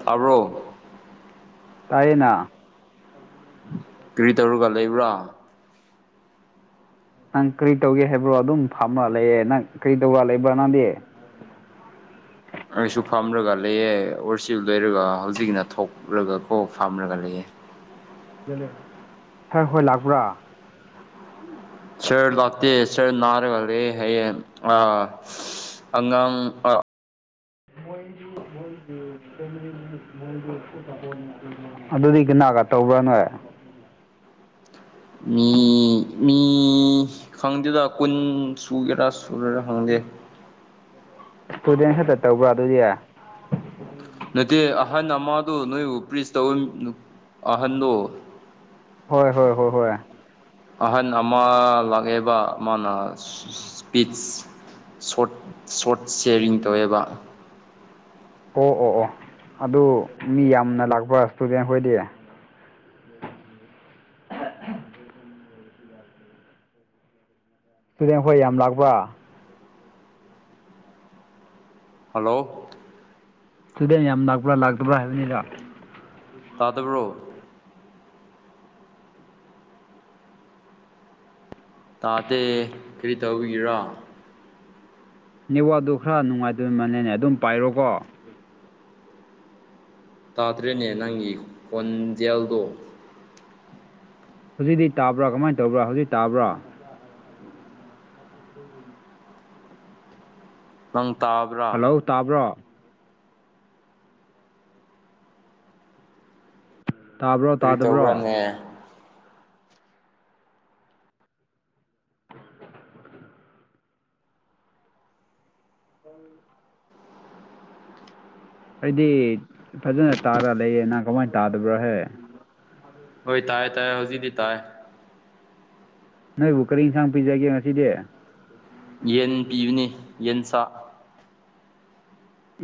ꯇꯥꯕ꯭ꯔꯣ ꯇꯥꯏꯌꯦꯅ [unintelligible] ꯀꯔꯤ ꯇꯧꯔꯒ ꯂꯩꯕ꯭ꯔꯥ ꯅꯪ ꯀꯔꯤ ꯇꯧꯒꯦ ꯍꯥꯏꯕ꯭ꯔꯣ ꯑꯗꯨꯝ ꯐꯝꯃ ꯂꯩꯌꯦ ꯅꯪ ꯀꯔꯤ ꯇꯧꯕ ꯂꯩꯕ꯭ꯔꯥ ꯅꯪꯗꯤ ꯑꯩꯁꯨ ꯐꯝꯔꯒ ꯂꯩꯑꯦ ꯑꯣꯔꯆꯜ ꯂꯩꯏꯔꯒ ꯍꯧꯖꯤꯛꯅ ꯊꯣꯛꯂꯒꯀꯣ ꯐꯝꯔꯒ ꯂꯩꯌꯦ ꯁꯥꯔ ꯍꯣꯏ ꯂꯥꯛꯄ꯭ꯔꯥ ꯁꯥꯔ ꯂꯥꯛꯇꯦ ꯁꯥꯔ ꯅꯥꯔꯒ ꯂꯩ ꯍꯥꯢꯌꯦ ꯑꯉꯥꯡ ꯃꯗ ꯃꯣꯏꯣꯏꯗ [inaudible] ꯑꯗꯨꯗꯤ ꯀꯅꯥꯒꯥ ꯇꯧꯕ꯭ꯔꯥ ꯅꯣꯏ ꯃꯤ ꯃꯤ ꯈꯪꯗꯦꯗ ꯀꯨꯟ ꯁꯨꯒꯦꯔ ꯁꯨꯔꯣꯢꯔ ꯏꯁꯇꯨꯗꯦꯟ ꯈꯛꯇ ꯇꯧꯕ꯭ꯔꯥ ꯑꯗꯨꯗꯤ ꯅꯠꯇꯦ ꯑꯍꯟ ꯑꯃꯗꯣ ꯅꯣꯏꯕꯨ ꯄ꯭ꯔꯤꯖ ꯇꯧ ꯑꯍꯟꯗꯣ ꯍꯣꯏ ꯍꯣꯏ ꯍꯣꯏ ꯍꯣꯏ ꯑꯍꯟ ꯑꯃ ꯂꯥꯛꯑꯦꯕ ꯃꯥꯅ ꯏꯁꯄꯤꯆ ꯁꯣꯔꯠ ꯁꯣꯔꯠ ꯁꯌꯥꯔꯤꯡ ꯇꯧꯋꯦꯕ ꯑꯣ ꯑꯣ ꯑꯣ ꯑꯗꯨ ꯃꯤ ꯌꯥꯝꯅ ꯂꯥꯛꯄꯔꯥ ꯏꯁꯇꯨꯗꯦꯟꯈꯣꯏꯗꯤ ꯁꯇꯨꯗꯦꯟ ꯈꯣꯏ ꯌꯥꯝ ꯂꯥꯛꯄ꯭ꯔꯥ ꯍꯜꯂꯣ ꯏꯁꯇꯨꯗꯦꯟ ꯌꯥꯝ ꯂꯥꯛꯄ꯭ꯔꯥ ꯂꯥꯛꯇꯕ꯭ꯔꯥ ꯍꯥꯏꯕꯅꯤꯗ ꯇꯥꯗꯔꯣ ꯇꯥꯗꯦ ꯀꯔꯤ ꯇꯧꯕꯤꯒꯥꯔ ꯅꯤꯋꯥꯛꯗꯨ ꯈꯔ ꯅꯨꯡꯉꯥꯏꯇꯕ ꯃꯜꯅꯦꯅꯦ ꯑꯗꯨꯝ ꯄꯥꯏꯔꯣꯀꯣ ꯇꯥꯗ꯭ꯔꯦꯅꯦ ꯅꯪꯒꯤ ꯈꯣꯟꯖꯦꯜꯗꯣ ꯍꯧꯖꯤꯛꯇꯤ ꯇꯥꯕ꯭ꯔꯥ ꯀꯃꯥꯏꯟ ꯇꯧꯕ꯭ꯔꯥ ꯍꯧꯖꯤꯛ ꯇꯥꯕ꯭ꯔꯥ ꯎꯝ ꯅꯪ ꯇꯥꯕ꯭ꯔꯥ ꯍꯜꯂꯣ ꯇꯥꯕ꯭ꯔꯣ ꯇꯥꯕ꯭ꯔꯣ ꯀꯔꯤ ꯇꯥꯗꯕ꯭ꯔꯣ ꯇꯧꯕ꯭ꯔꯥꯅꯦ ꯑꯩꯗꯤ ꯐꯖꯅ ꯇꯥꯔ ꯂꯩꯌꯦ ꯅꯪ ꯀꯃꯥꯏꯟ ꯇꯥꯗꯕ꯭ꯔꯥꯍꯦ ꯍꯣꯏ ꯇꯥꯏꯌꯦ ꯇꯥꯏꯌꯦ ꯍꯧꯖꯤꯛꯇꯤ ꯇꯥꯏꯌꯦ ꯅꯣꯏꯕꯨ ꯀꯔꯤ ꯏꯟꯁꯥꯡ ꯄꯤꯖꯒꯦ ꯉꯁꯤꯗꯤ ꯌꯦꯟ ꯄꯤꯕꯅꯤ ꯌꯦꯟ ꯆꯥ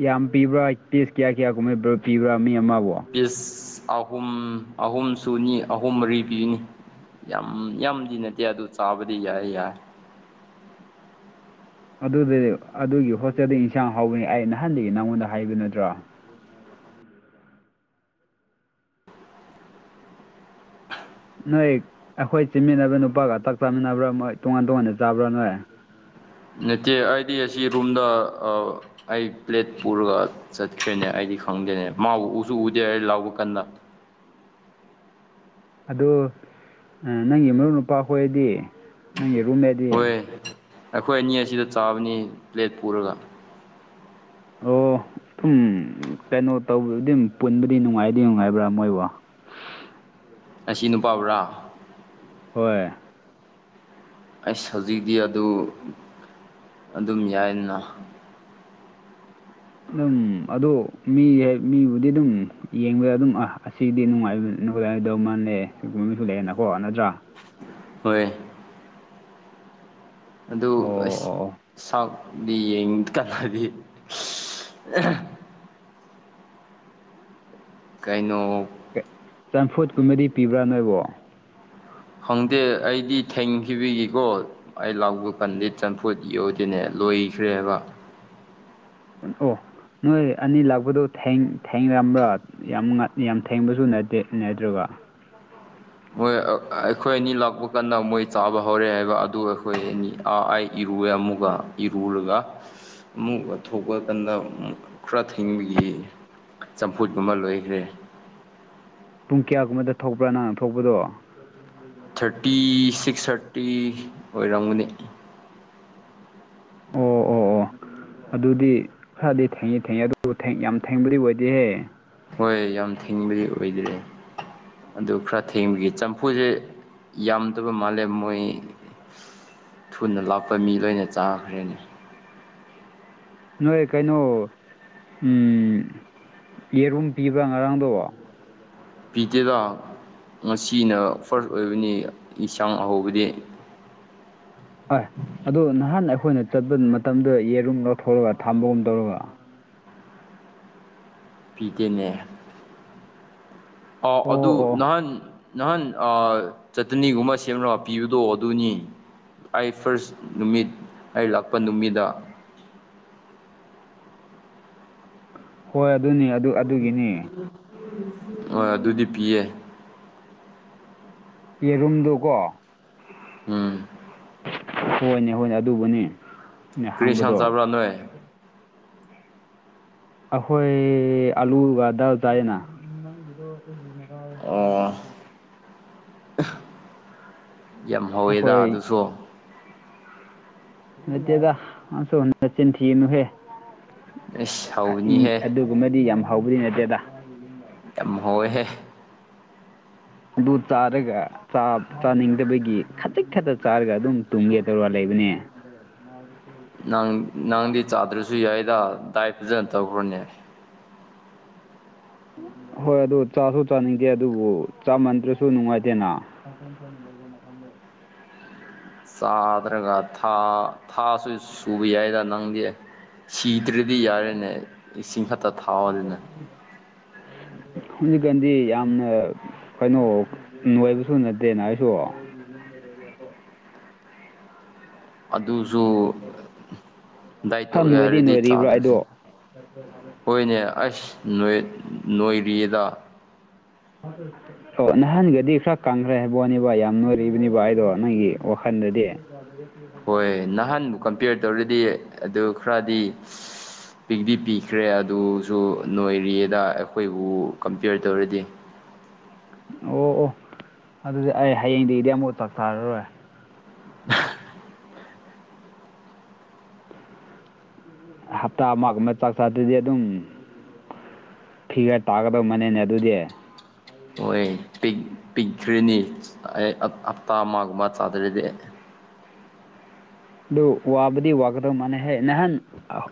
ꯌꯥꯝ ꯄꯤꯕ꯭ꯔꯥ ꯄꯤꯁ ꯀꯌꯥ ꯀꯌꯥ ꯀꯨꯝꯍꯩꯕꯔ ꯄꯤꯕ꯭ꯔꯥ ꯃꯤ ꯑꯃꯕꯨ ꯄꯤꯁ ꯑꯍꯨꯝ ꯑꯍꯨꯝ ꯁꯨꯅꯤ ꯑꯍꯨꯝ ꯃꯔꯤ ꯄꯤꯒꯅꯤ ꯌꯥꯝ ꯌꯥꯝꯗꯤ ꯅꯠꯇꯦ ꯑꯗꯨ ꯆꯥꯕꯗꯤ ꯌꯥꯏ ꯌꯥꯏ ꯑꯗꯨꯗꯤ ꯑꯗꯨꯒꯤ ꯍꯣꯁꯇꯦꯜꯗꯤ ꯏꯟꯁꯥꯡ ꯍꯧꯕꯅꯤ ꯑꯩ ꯅꯍꯥꯟꯗꯒꯤ ꯅꯪꯉꯣꯟꯗ ꯍꯥꯏꯕ ꯅꯠꯇ꯭ꯔꯣ ꯅꯣꯏ ꯑꯩꯈꯣꯏ ꯆꯤꯟꯃꯤꯟꯅꯕ ꯅꯨꯄꯥꯒ ꯆꯥꯛ ꯆꯥꯃꯤꯟꯅꯕ꯭ꯔꯥ ꯃꯣꯏ ꯇꯣꯉꯥꯟ ꯇꯣꯉꯥꯟꯅ ꯆꯥꯕ꯭ꯔꯥ ꯅꯣꯏ ꯅꯠꯇꯦ ꯑꯩꯗꯤ ꯑꯁꯤ ꯔꯨꯝꯗ ꯑ ꯑꯩ ꯄ꯭ꯂꯦꯠ ꯄꯨꯔꯒ ꯆꯠꯈ꯭ꯔꯦꯅꯦ ꯑꯩꯗꯤ ꯈꯪꯗꯦꯅꯦ ꯃꯥꯕꯨ ꯎꯁꯨ ꯎꯗꯦ ꯍꯥꯏ ꯂꯥꯎꯕ ꯀꯥꯟꯗ ꯑꯗꯨ ꯑ ꯅꯪꯒꯤ ꯃꯔꯨꯞ ꯅꯨꯨꯄꯥ ꯍꯣꯏꯗꯤ ꯅꯪꯒꯤ ꯔꯨꯝꯃꯦꯗꯤ ꯍꯣꯏ ꯑꯩꯈꯣꯏ ꯑꯅꯤ ꯑꯁꯤꯗ ꯆꯥꯕꯅꯤ ꯄ꯭ꯂꯦꯠ ꯄꯨꯔꯒ ꯑꯣ ꯊꯨꯝ ꯀꯩꯅꯣ ꯇꯧꯕꯗꯤꯝ ꯄꯨꯟꯕꯨꯗꯤ ꯅꯨꯡꯉꯥꯏꯗꯤ ꯅꯨꯡꯉꯥꯏꯕ꯭ꯔꯥ ꯃꯣꯏꯕꯨ ꯑꯁꯤ ꯅꯨꯄꯥꯕꯨꯔꯥ ꯍꯣꯏ ꯑꯩꯁ ꯍꯧꯖꯤꯛꯇꯤ ꯑꯗꯨ ꯑꯗꯨꯝ ꯌꯥꯏꯅ ꯅꯪ ꯑꯗꯨ ꯃꯤꯌꯦ ꯃꯤꯕꯨꯗꯤ ꯑꯗꯨꯝ [unintelligible] ꯍꯣꯏꯌꯦ ꯑꯗꯨ ꯑꯣ ꯑꯩꯁ ꯑꯣ ꯁꯥꯎꯠꯗꯤ ꯌꯦꯡ ꯀꯥꯟꯗꯗꯤ ꯀꯩꯅꯣ ꯀꯦ ꯆꯝꯐꯨꯠꯀꯨꯝꯕꯗꯤ ꯄꯤꯕ꯭ꯔꯥ ꯅꯣꯏꯕꯣ ꯈꯪꯗꯦ ꯑꯩꯗꯤ ꯊꯦꯡꯈꯤꯕꯤꯒꯤꯀꯣ ꯑꯩ ꯂꯥꯎꯕ ꯀꯥꯟꯗꯤ ꯆꯝꯐꯨꯠ ꯌꯣꯗꯤꯅꯦ ꯂꯣꯏꯈ꯭ꯔꯦꯕ ꯑꯣ ꯅꯣꯏ ꯑꯅꯤ ꯂꯥꯛꯄꯗꯣ ꯊꯦꯡ ꯊꯦꯡꯔꯝꯕ꯭ꯔꯥ ꯌꯥꯝ ꯉꯠ ꯌꯥꯝ ꯊꯦꯡꯕꯖꯨ ꯅꯠꯇꯦ ꯅꯠꯇ꯭ꯔꯕ ꯃꯣꯏ ꯑꯩꯈꯣꯏ ꯑꯅꯤ ꯂꯥꯛꯄ ꯀꯟꯅ ꯃꯣꯏ ꯆꯥꯕ ꯍꯧꯔꯦ ꯍꯥꯏꯕ ꯑꯗꯨ ꯑꯩꯈꯣꯏ ꯑꯅꯤ ꯑꯥ ꯑꯩ ꯏꯔꯨꯑꯦ ꯑꯃꯨꯒ ꯏꯔꯨꯔꯒ ꯑꯃꯨꯛ ꯊꯣꯛꯄ ꯀꯥꯟꯗ‌ ꯈꯔ ꯊꯦꯡꯕꯒꯤ ꯆꯝꯐꯨꯠꯀꯨꯝꯕ ꯂꯣꯏꯒ꯭ꯔꯦ ꯄꯨꯡ ꯀꯌꯥꯒꯨꯝꯕꯗ ꯊꯣꯛꯄ꯭ꯔꯥ ꯅꯪꯅ ꯊꯣꯛꯄꯗꯣ ꯊꯥꯔꯇꯤ ꯁꯤꯛꯁ ꯊꯥꯔꯇꯤ ꯑꯣꯏꯔꯝꯒꯅꯤ ꯑꯣ ꯑꯣ ꯑꯣ ꯑꯗꯨꯗꯤ ꯈꯔꯗꯤ ꯊꯦꯡꯉꯤ ꯊꯦꯡꯉꯦ ꯑꯗꯨꯕꯨ ꯊꯦꯡ ꯌꯥꯝ ꯊꯦꯡꯕꯗꯤ ꯑꯣꯏꯗꯦꯍꯦ ꯍꯣꯏ ꯌꯥꯝ ꯊꯦꯡꯕꯗꯤ ꯑꯣꯏꯗ꯭ꯔꯦ ꯑꯗꯨ ꯈꯔ ꯊꯦꯡꯕꯒꯤ ꯆꯝꯐꯨꯖꯦ ꯌꯥꯝꯗꯕ ꯃꯥꯜꯂꯦ ꯃꯣꯏ ꯊꯨꯅ ꯂꯥꯛꯄ ꯃꯤ ꯂꯣꯏꯅ ꯆꯥꯈ꯭ꯔꯦꯅꯤ ꯅꯣꯏ ꯀꯩꯅꯣ ꯎꯝ ꯌꯦꯔꯨꯝ ꯄꯤꯕ꯭ꯔꯥ ꯉꯔꯥꯡꯗꯣ ꯄꯤꯗꯦꯗ ꯉꯁꯤꯅ ꯐꯥꯔꯁ ꯑꯣꯏꯕꯅꯤ ꯏꯁꯥꯡ ꯑꯍꯥꯎꯕꯗꯤ ꯍꯣꯏ ꯑꯗꯨ ꯅꯍꯥꯟ ꯑꯩꯈꯣꯏꯅ ꯆꯠꯄ ꯃꯇꯝꯗ ꯌꯦꯔꯨꯝ ꯂꯧꯊꯣꯛꯑꯒ ꯊꯥꯝꯕꯒꯨꯝ ꯇꯧꯔꯒ ꯄꯤꯗꯦꯅꯦ ꯑꯥꯎ ꯑꯣ ꯑꯗꯨ ꯑꯣ ꯅꯍꯥꯟ ꯅꯍꯥꯟ ꯑ ꯆꯇꯅꯤꯒꯨꯝꯕ ꯁꯦꯝꯔꯥꯒ ꯄꯤꯕꯗꯣ ꯑꯗꯨꯅꯤ ꯑꯩ ꯐꯥꯔꯁ ꯅꯨꯃꯤꯠ ꯑꯩ ꯂꯥꯛꯄ ꯅꯨꯃꯤꯗ ꯍꯣꯏ ꯑꯗꯨꯅꯤ ꯑꯗꯨ ꯑꯗꯨꯒꯤꯅꯤ ꯍꯣꯏ ꯑꯗꯨꯗꯤ ꯄꯤꯌꯦ ꯌꯦꯔꯨꯝꯗꯨꯀꯣ ꯎꯝ ꯍꯣꯏꯅꯦ ꯍꯣꯏꯅꯦ ꯑꯗꯨꯕꯨꯅꯤ ꯅ ꯀ꯭ꯔꯤꯁꯥꯟ ꯍꯪꯕꯗꯣ ꯆꯥꯕ꯭ꯔꯥ ꯅꯣꯏꯦ ꯑꯩꯈꯣꯏ ꯑꯂꯨꯒꯗ ꯆꯥꯏꯌꯦꯅ [unintelligible] ꯑꯣ ꯌꯥꯝ ꯍꯧꯋꯦꯗ ꯑꯩꯈꯣꯏ ꯑꯗꯨꯁꯨ ꯅꯠꯇꯦꯗ ꯑꯁꯨ ꯃꯆꯤꯟ ꯊꯤꯅꯨꯍꯦ ꯑꯩꯁ ꯏ ꯍꯥꯎꯕꯅꯤꯍꯦ ꯑꯗꯨ ꯨꯝꯕꯗꯤ ꯌꯥꯝ ꯍꯥꯎꯕꯗꯤ ꯅꯠꯇꯦꯗ ꯌꯥꯝ ꯍꯣꯏꯍꯦ ꯑꯗꯨ ꯇꯥꯔꯒ ꯆꯥꯅꯤꯡꯗꯕꯒꯤ ꯈꯖꯤꯛ ꯈꯛꯇ ꯆꯥꯔꯒ ꯑꯗꯨꯝ ꯇꯨꯝꯒꯦ ꯇꯧꯔ ꯂꯩꯕꯅꯦ [unintelligible] ꯅꯪ ꯅꯪꯗꯤ ꯆꯥꯗ꯭ꯔꯁꯨ ꯌꯥꯏꯗ ꯗꯥꯏ ꯐꯖꯅ ꯇꯧꯈ꯭ꯔꯣꯅꯤ ꯍꯣꯏ ꯑꯗꯨ ꯆꯥꯁꯨ ꯆꯥꯅꯤꯡꯗꯦ ꯑꯗꯨꯕꯨ ꯆꯥꯃꯟꯗ꯭ꯔꯁꯨ ꯅꯨꯡꯉꯥꯏꯇꯦꯅ [unintelligible] ꯆꯥꯗ꯭ꯔꯒꯥ ꯊꯥꯁꯨ ꯁꯨꯕ ꯌꯥꯏꯗ ꯅꯪꯗꯤ ꯁꯤꯗ꯭ꯔꯗꯤ ꯌꯥꯔꯦꯅꯦ ꯏꯁꯤꯡ ꯈꯛꯇ ꯊꯥꯎꯗꯅꯦ ꯎꯝ ꯍꯧꯖꯤꯛꯀꯥꯟꯗꯤ ꯌꯥꯝꯅ ꯀꯩꯅꯣ ꯣꯏꯥꯏꯕꯁꯨ ꯅꯠꯇꯦꯅ ꯑꯩꯁꯨ ꯑꯗꯨꯁꯨ ꯗꯥꯏꯠ ꯇꯧꯒꯦ ꯍꯥꯏꯔꯗꯤ ꯆꯥꯗ꯭ꯔꯁꯦ ꯐꯔ ꯐꯦ ꯍꯣꯏꯅꯦ ꯑꯁ ꯅ ꯅꯣꯏꯔꯤꯗ [unintelligible] ꯑꯣ ꯅꯍꯥꯟꯒꯗꯤ ꯈꯔ ꯀꯪꯈ꯭ꯔꯦ ꯍꯥꯏꯕꯅꯦꯕ ꯌꯥꯝ ꯅꯣꯏꯔꯤꯕꯅꯤꯕ ꯑꯩꯗꯣ ꯅꯪꯒꯤ ꯋꯥꯈꯜꯗꯗꯤ [unintelligible] ꯍꯣꯏ ꯅꯍꯥꯟꯕꯨ ꯀꯝꯄꯤꯌꯔ ꯇꯧꯔꯗꯤ ꯑꯗꯨ ꯈꯔꯗꯤ ꯄꯤꯛꯗꯤ ꯄꯤꯈ꯭ꯔꯦ ꯑꯗꯨꯁꯨ ꯅꯣꯏꯔꯤꯗ ꯑꯩꯈꯣꯏꯕꯨ ꯀꯝꯄꯤꯌꯔ ꯇꯧꯔꯗꯤ ꯑꯣ ꯑꯣ ꯑꯗꯨꯗꯤ ꯑꯩ ꯍꯌꯦꯡꯗꯒꯤꯗꯤ ꯑꯃꯨꯛ ꯆꯥꯛꯊꯔꯔꯣꯏ ꯍꯞꯇꯥ ꯑꯃ ꯑꯃ ꯆꯥꯛ ꯆꯥꯗꯨꯗꯤ ꯑꯗꯨꯝ ꯐꯤꯒ ꯇꯥꯒꯗꯕ ꯃꯅꯦꯅꯦ ꯑꯗꯨꯗꯤ ꯍꯣꯏ ꯄꯤꯛꯈ꯭ꯔꯤꯅꯤ ꯑꯩ ꯍꯞꯇꯥ ꯑꯃꯒꯨꯝꯕ ꯆꯥꯗꯔꯗꯤ ꯑꯗꯨ ꯋꯥꯕꯨꯗꯤ ꯋꯥꯒꯗꯧ ꯃꯥꯟꯅꯩꯍꯦ ꯅꯍꯥꯟ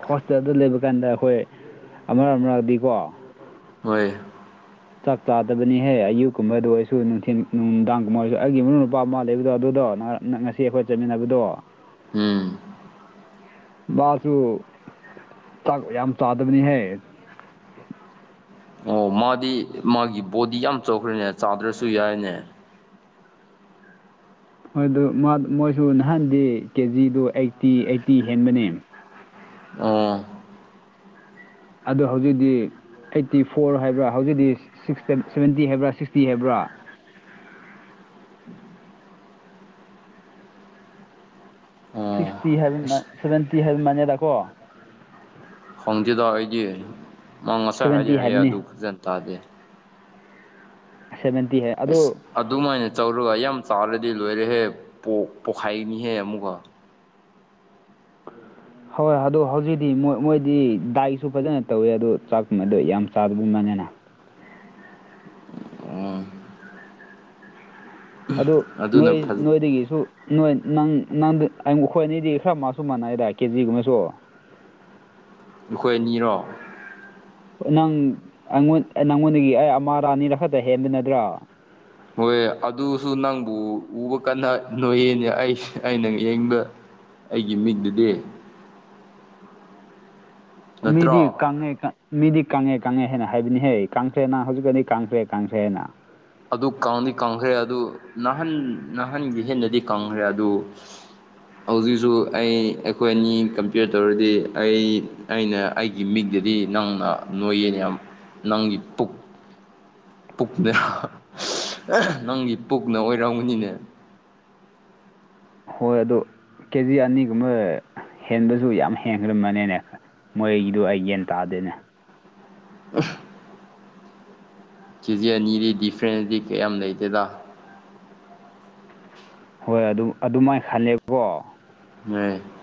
ꯍꯣꯁꯄꯤꯇꯥꯜꯗ ꯂꯩꯕ ꯀꯥꯟꯗ ꯑꯩꯈꯣꯏ ꯑꯃꯔ ꯑꯃꯔꯗꯤꯀꯣ ꯍꯣꯏ ꯆꯥꯛ ꯆꯥꯗꯕꯅꯤꯍꯦ ꯑꯌꯨꯛꯀꯨꯝꯕꯗ ꯑꯣꯏꯔꯁꯨ ꯅꯨꯡꯊꯤꯟ ꯅꯨꯡꯗꯥꯡꯒꯨꯝꯕ ꯑꯣꯏꯔꯁꯨ ꯑꯩꯒꯤ ꯏꯎ ꯅꯨꯄꯥ ꯑꯃ ꯂꯩꯕꯗꯣ ꯑꯗꯨꯗꯣ ꯅꯍ ꯉꯁꯤ ꯑꯩꯈꯣꯏ ꯆꯠꯃꯤꯟꯅꯕꯗꯣ ꯎꯝ ꯃꯥꯁꯨꯥꯛ ꯌꯥꯝ ꯆꯥꯗꯕꯅꯤꯍ ꯑꯣ ꯃꯥꯗꯤ ꯃꯥꯒꯤ ꯕꯣꯗꯤ ꯌꯥꯝ ꯆꯥꯎꯧꯈ꯭ꯔꯦꯅꯦ ꯆꯥꯗ꯭ꯔꯁꯨ ꯌꯥꯏꯅꯦ ꯍꯣꯏ ꯑꯗꯨ ꯃꯣꯏꯁꯨ ꯅꯍꯥꯟꯗꯤ ꯀꯦꯖꯤꯗ ꯑꯩꯠꯇꯤ ꯑꯩꯠꯇꯤ ꯍꯦꯟꯕꯅꯦ ꯑꯣ ꯑꯗꯨ ꯍꯧꯖꯤꯛꯇꯤ ꯑꯩꯠꯇꯤ ꯐꯣꯔ ꯍꯥꯏꯕ꯭ꯔꯥ ꯍꯧꯖꯤꯛꯇꯤꯛꯁꯇ ꯁꯕꯦꯟꯇꯤ ꯍꯥꯏꯕ꯭ꯔꯥ ꯁꯤꯛꯁꯇꯤ ꯍꯥꯏꯕ꯭ꯔꯥ ꯑꯣ ꯁꯤꯛꯁꯇꯤ ꯍꯥꯏꯕ ꯑꯁ ꯁꯚꯦꯟꯇꯤ ꯍꯥꯏꯕ ꯃꯥꯥꯟꯅꯦꯦꯗ ꯀꯣ ꯈꯪꯗꯦꯗꯣ ꯑꯩꯗꯤ ꯃꯥ ꯉꯁꯥꯏ ꯍꯥꯏꯗꯤ ꯁꯚꯦꯟꯇꯤ ꯍꯥꯏꯌꯦ ꯍꯥꯏꯕꯅꯤ ꯑꯗꯨ ꯐꯖꯅ ꯇꯥꯗꯦ ꯁꯕꯦꯟꯇꯤ ꯑꯦꯁ ꯑꯗꯨꯃꯥꯏꯅ ꯆꯧꯔꯒ ꯌꯥꯝ ꯆꯥꯎꯥꯔꯗꯤ ꯂꯣꯏꯔꯦꯍꯦ ꯄꯣꯛꯈꯥꯏꯅꯤꯍꯦ ꯑꯃꯨꯛꯀ ꯍꯣꯏ ꯑꯗꯣ ꯍꯧꯖꯤꯛꯇꯤ ꯃꯣꯏ ꯃꯣꯏꯗꯤ ꯗꯥꯏꯁꯨ ꯐꯖꯅ ꯇꯧꯋꯦ ꯑꯗꯣ ꯆꯥꯛꯨꯝ ꯑꯗꯣ ꯌꯥꯝ ꯆꯥꯗꯕ ꯃꯅꯅ ꯑꯗꯨ ꯑꯗꯨꯅ ꯅꯣꯏ ꯐꯖ ꯅꯣꯏꯗꯒꯤꯁꯨ ꯅꯣꯏ ꯅꯪ ꯅꯪꯗꯤ ꯑꯩ ꯃꯈꯈꯣꯏ ꯑꯅꯤꯗꯤ ꯈꯔ ꯃꯥꯁꯨ ꯃꯥꯟꯅꯩꯗ ꯀꯦꯖꯤꯒꯨꯝꯕꯁꯨ ꯑꯩꯈꯣꯏ ꯑꯅꯤꯔꯣ ꯅꯪꯉꯣꯟ ꯅꯪꯉꯣꯟꯗꯒꯤ ꯑꯩ ꯑꯃꯔꯥꯅꯤꯔ ꯈꯛꯇ ꯍꯦꯟꯕ ꯅꯠꯇ꯭ꯔꯣ ꯍꯣꯏ ꯑꯗꯨꯁꯨ ꯅꯪꯕꯨ ꯎꯕ ꯀꯟꯅ ꯅꯣꯏꯌꯦꯅꯦ ꯑꯩꯁꯦ ꯑꯩꯅ ꯌꯦꯡꯕ ꯑꯩꯒꯤ ꯃꯤꯡꯗꯨꯗꯤ ꯅꯠꯇ꯭ꯔꯣ ꯃꯤꯗꯤ ꯀꯪꯉꯥꯏ ꯀ ꯃꯤꯗꯤ ꯀꯪꯉꯦ ꯀꯪꯉꯦ ꯍꯥꯏꯅ ꯍꯥꯏꯕꯅꯤꯍꯦ ꯀꯥꯡꯈ꯭ꯔꯦꯅ ꯍꯧꯖꯤꯛꯀꯗꯤ ꯀꯪꯈ꯭ꯔꯦ ꯀ ꯀꯥꯡꯈ꯭ꯔꯦ ꯍꯥꯏꯅ ꯑꯗꯨ ꯀꯗꯤ ꯀꯪꯈ꯭ꯔꯦ ꯑꯗꯨ ꯅꯍꯟ ꯅꯍꯥꯟꯒꯤ ꯍꯦꯟꯅꯗꯤ ꯀꯪꯈ꯭ꯔꯦ ꯑꯗꯨ [unintelligible] ꯍꯧꯖꯤꯛꯁꯨ ꯑꯩ ꯑꯩꯈꯣꯏ ꯑꯅꯤ ꯀꯝꯄꯤꯌꯔ ꯇꯧꯔꯗꯤ ꯑꯩ ꯑꯩꯅ ꯑꯩꯒꯤ ꯃꯤꯗꯗꯤ ꯅꯪꯅ ꯅꯣꯏꯌꯦꯅ ꯌꯥꯝ ꯅꯪꯒꯤ ꯄꯨꯛ ꯄꯨꯛꯅꯦ ꯅꯪꯗꯤ ꯄꯨꯛꯅ ꯑꯣꯏꯔꯝꯒꯅꯤꯅꯦ ꯍꯣꯏ ꯑꯗꯨ ꯀꯦꯖꯤ ꯑꯅꯤꯒꯨꯝꯕ ꯍꯦꯟꯕꯁꯨ ꯌꯥꯝ ꯍꯦꯟꯈ꯭ꯔꯃꯅꯤꯅꯦ ꯃꯣꯏꯒꯤꯗꯨꯣ ꯑꯩ ꯌꯦꯟ ꯇꯥꯗꯣꯏꯅꯦ ꯀꯦ ꯖꯤ ꯑꯅꯤꯗꯤ ꯗꯤꯐ꯭ꯔꯦꯟꯁꯇꯗꯤ ꯀꯌꯥꯝ ꯂꯩꯇꯦꯗ ꯍꯣꯏ ꯑꯗꯨꯝ ꯑꯗꯨꯃꯥꯏꯅ ꯈꯜꯂꯦꯕꯀꯣ ꯍ [unintelligible]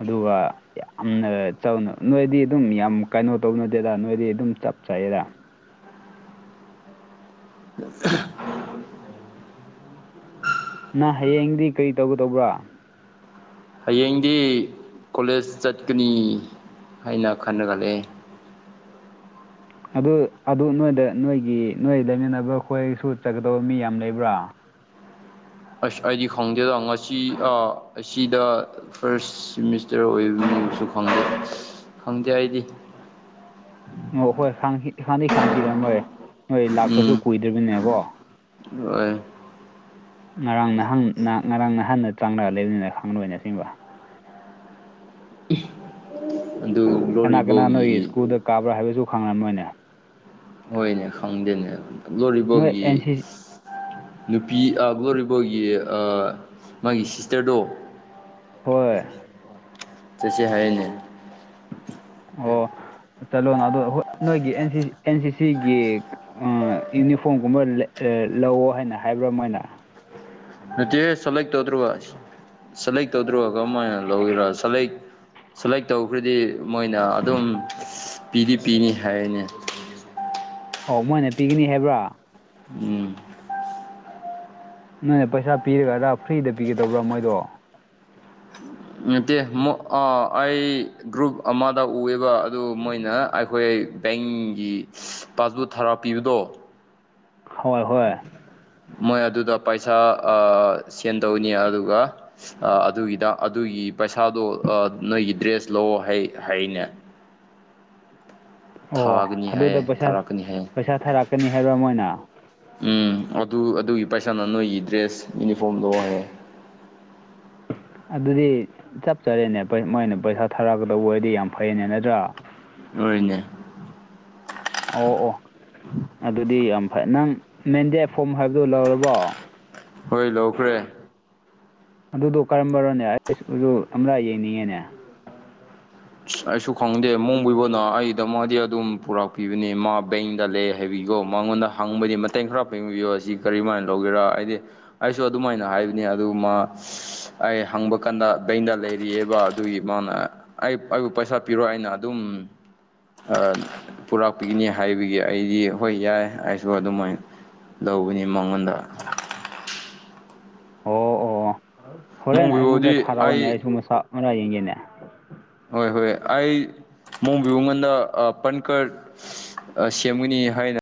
ꯑꯗꯨꯒ ꯌꯥꯝꯅ ꯆꯥꯎ ꯅꯣꯏꯗꯤ ꯑꯗꯨꯝ ꯌꯥꯝ ꯀꯩꯅꯣ ꯇꯧꯅꯗꯦꯗ ꯅꯣꯏꯗꯤ ꯑꯗꯨꯝ ꯆꯞ ꯆꯥꯏꯑꯗ [unintelligible] ꯅ ꯍꯌꯦꯡꯗꯤ ꯀꯔꯤ ꯇꯧꯒꯗꯧꯕ꯭ꯔꯥ ꯍꯌꯦꯡꯗꯤ ꯀꯣꯂꯦꯖ ꯆꯠꯀꯅꯤ ꯍꯥꯏꯅ ꯈꯟꯅꯒꯠꯂꯛꯦ ꯑꯗꯨ ꯑꯗꯨ ꯅꯣꯏꯗ ꯅꯣꯏꯒꯤ ꯅꯣꯏ ꯂꯩꯃꯤꯟꯅꯕ ꯈꯈꯣꯏꯁꯨ ꯆꯠꯀꯗꯕ ꯃꯤ ꯌꯥꯝ ꯂꯩꯕ꯭ꯔꯥ ꯑꯁ ꯑꯩꯗꯤ ꯈꯪꯗꯦꯗ ꯉꯁꯤ ꯑꯁꯤꯗ ꯐꯥꯔꯁ ꯁꯤꯃꯤꯁꯇꯔ ꯑꯣꯏꯕ ꯃꯤꯁꯨ ꯈꯪꯗꯦ ꯈꯪꯗꯦ ꯑꯩꯗꯤ ꯑꯣ ꯍꯣꯏ ꯍꯥꯡꯗꯤꯩ ꯈꯥꯡꯈꯤꯔꯃꯣꯏ ꯃꯣꯏ ꯎꯝ ꯂꯥꯛꯄꯁꯨ ꯀꯨꯏꯗ꯭ꯔꯤꯕꯅꯦꯀꯣ ꯍꯣꯏ ꯉꯔꯥꯡ ꯅꯍꯥꯟ ꯉꯔꯥꯡ ꯅꯍꯥꯟꯗ ꯆꯪꯂꯛꯑ ꯂꯩꯕꯅꯤꯅ ꯈꯪꯂꯗꯣꯏꯅ ꯁꯤꯒꯤꯡꯕ ꯑꯗꯨ ꯑꯗꯨ ꯀꯅꯥ ꯀꯅꯥ ꯅꯣꯏꯒꯤ ꯁ꯭ꯀꯨꯜꯗ ꯀꯥꯕ꯭ꯔꯥ ꯍꯥꯏꯕꯁꯨ ꯈꯪꯉꯝ ꯅꯣꯏꯅꯦ ꯀꯩꯅ ꯈꯪꯗꯦꯅꯦ ꯅꯣꯏ ꯂꯣꯔꯤꯕꯥꯎꯒꯤ ꯑꯦꯟ ꯁꯤ ꯅꯨꯄꯤ ꯒ꯭ꯂꯣꯔꯤꯕꯣꯏꯒꯤ ꯃꯥꯒꯤ ꯁꯤꯁꯇꯔꯗꯣ ꯍꯣꯏ ꯆꯁ ꯍꯥꯏꯌꯦꯅꯦ ꯑꯣ ꯆꯠꯂꯣꯅ ꯑꯗꯣ ꯍꯣꯏ ꯅꯣꯏꯒꯤ ꯑꯦ ꯑꯦꯟ ꯁꯤꯁꯤꯒꯤ ꯌꯨꯅꯤꯐꯣꯔꯝꯒꯨꯝꯕ ꯂꯧꯑꯣ ꯍꯥꯏꯅ ꯍꯥꯏꯕ꯭ꯔꯥ ꯃꯣꯏꯅ ꯅꯇꯦꯦ ꯁꯂꯦꯛ ꯇꯧꯗ꯭ꯔꯣꯕ ꯁꯦꯂꯦꯛ ꯇꯧꯗ꯭ꯔꯣꯕ ꯀꯔꯝꯍꯥꯏꯅ ꯂꯧꯒꯔ ꯁꯂꯦꯛ ꯁꯣꯂꯦꯛ ꯇꯧꯈ꯭ꯔꯗꯤ ꯃꯣꯏꯅ ꯑꯗꯨꯝ ꯄꯤꯗꯤ ꯄꯤꯅꯤ ꯍꯥꯏꯔꯤꯅꯤ ꯑꯣ ꯃꯣꯏꯅ ꯄꯤꯒꯅꯤ ꯍꯥꯏꯕ꯭ꯔꯥ ꯎꯝ ꯅꯪꯅꯦ ꯄꯩꯁꯥ ꯄꯤꯔꯒ ꯑꯗꯥ ꯐ꯭ꯔꯤꯗ ꯄꯤꯒꯗꯕ꯭ꯔꯥ ꯃꯣꯏꯗꯣ ꯅꯠꯇꯦ ꯑꯩ ꯒ꯭ꯔꯨꯞ ꯑꯃꯗ ꯎꯑꯦꯕ ꯑꯗꯨ ꯃꯣꯏꯅ ꯑꯩꯈꯣꯏ ꯕꯦꯡꯒꯤ ꯄꯥꯁꯕꯨꯛ ꯊꯔ ꯄꯤꯕꯗꯣ ꯍꯣꯏ ꯍꯣꯏ ꯃꯣꯏ ꯑꯗꯨꯗ ꯄꯩꯁꯥ ꯁꯦꯟ ꯇꯧꯅꯤ ꯑꯗꯨꯒ ꯑꯗꯨꯒꯤꯗ ꯑꯗꯨꯒꯤ ꯄꯩꯁꯥꯗꯣ ꯅꯣꯏꯒꯤ ꯗ꯭ꯔꯦꯁ ꯂꯑꯣ ꯍꯥꯏꯅꯦ ꯑꯣ ꯊꯥꯒꯅꯤ ꯍꯥꯏꯌꯦ ꯑꯗꯨꯗ ꯄꯩꯁꯥ ꯊꯥꯔꯛꯀꯅꯤ ꯍꯥꯏꯌꯦ ꯄꯩꯁꯥ ꯊꯥꯔꯛꯀꯅꯤ ꯍꯥꯏꯕꯔ ꯑꯃ ꯃꯣꯏꯅ ꯎꯝ ꯑꯗꯨ ꯑꯗꯨꯒꯤ ꯄꯩꯁꯥꯅ ꯅꯣꯏꯒꯤ ꯗ꯭ꯔꯦꯁ ꯌꯨꯅꯤꯐꯣꯔꯝꯗꯣ ꯍꯡꯉꯦ ꯑꯗꯨꯗꯤ ꯆꯞ ꯆꯔꯦꯅꯦ ꯃꯣꯏꯅ ꯄꯩꯁꯥ ꯊꯥꯔꯛꯀꯗꯧꯕ ꯑꯣꯏꯗꯤ ꯌꯥꯝ ꯐꯩꯅꯦ ꯅꯠꯇ꯭ꯔꯥ ꯍꯅꯦ ꯑꯣ ꯑꯣ ꯑꯗꯨꯗꯤ ꯌꯥꯝ ꯐꯩ ꯅꯪ ꯃꯦꯟꯗꯦ ꯐꯣꯝ ꯍꯥꯏꯕꯗꯨꯣ ꯂꯧꯔꯕꯣ ꯍꯣꯏ ꯂꯧꯈ꯭ꯔꯦ ꯑꯗꯨꯗꯣ ꯀꯔꯝꯕꯅꯣꯅꯦ ꯑꯩꯁ ꯎ ꯑꯃꯂ ꯌꯦꯡꯅꯤꯡꯉꯦꯅꯦ ꯑꯩꯁꯨ ꯈꯪꯗꯦ ꯃꯣꯡꯕꯨꯕꯅ ꯑꯩꯗ ꯃꯥꯗꯤ ꯑꯗꯨꯝ ꯄꯨꯔꯛꯄꯤꯕꯅꯦ ꯃꯥ ꯕꯦꯡꯗ ꯂꯩꯦ ꯍꯥꯏꯕꯤꯌꯣ ꯃꯉꯣꯟꯗ ꯍꯪꯕꯗꯤ ꯃꯇꯦꯡ ꯈꯔ ꯄꯥꯡꯕꯤꯌꯣ ꯑꯁꯤ ꯀꯔꯤꯝꯥꯏꯅ ꯂꯧꯒꯦꯔꯥ ꯍꯥꯏꯗꯤ ꯑꯩꯁꯨ ꯑꯗꯨꯃꯥꯏꯅ ꯍꯥꯏꯕꯅꯤ ꯑꯗꯨ ꯃꯥ ꯑꯩ ꯍꯪꯕ ꯀꯥꯟꯗ ꯗꯗ ꯂꯩꯔꯤꯑꯕ ꯑꯗꯨꯒꯤ ꯃꯥꯅ ꯑꯩ ꯑꯩꯕꯨ ꯄꯩꯁꯥ ꯄꯤꯔꯣ ꯑꯩꯅ ꯑꯗꯨꯝ ꯄꯨꯔꯛꯄꯤꯒꯅꯤ ꯍꯥꯏꯕꯒꯤ ꯑꯩꯗꯤ ꯍꯣꯏ ꯌꯥꯏ ꯑꯩꯁꯨ ꯑꯗꯨꯃꯥꯏꯅ ꯂꯧꯕꯅꯤ ꯃꯉꯣꯟꯗ ꯑꯣ ꯑꯣ ꯍꯣꯔꯦꯟ ꯑꯩꯉꯣꯟꯗ ꯊꯥꯔꯛꯑꯣꯅꯦ ꯑꯩ ꯁꯤꯒꯨꯝꯕ ꯆꯥꯛ ꯃꯥ ꯌꯦꯡꯒꯦꯅꯦ ꯍꯣꯏ ꯍꯣꯏ ꯑꯩ ꯃꯣꯕꯤ ꯃꯉꯣꯟꯗ ꯄꯟꯀꯔ ꯁꯦꯝꯃꯨꯅꯤ ꯍꯥꯏꯅ